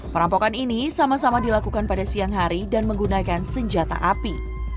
perampokan ini sama sama dilakukan pada siang hari dan menggunakan senjata api